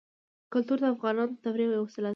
کلتور د افغانانو د تفریح یوه وسیله ده.